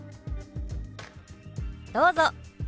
どうぞ！